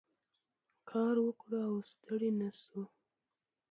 کار وکړو او ستړي نه شو.